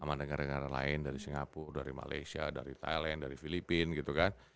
sama negara negara lain dari singapura dari malaysia dari thailand dari filipina gitu kan